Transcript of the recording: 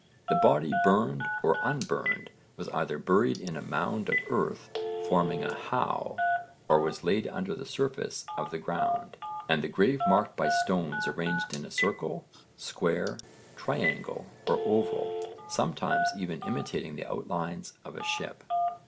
The body burned or unburned was either buried in a mound of earth, forming a 'how,' or was laid under the surface of the ground, and the grave marked by stones arranged in a circle, square, triangle or oval, sometimes even imitating the outlines of a ship.